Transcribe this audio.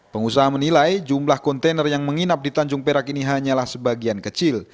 pengusaha menilai jumlah kontainer yang menginap di tanjung perak ini hanyalah sebagian kecil